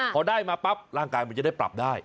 พอได้มาปั๊บร่างกายมันจะได้ปรับได้